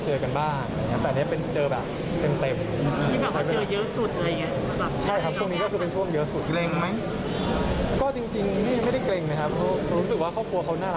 เลือบบ้านเวลาเข้ามาคุกเทพย์เราก็จะได้เจอกันบ้าง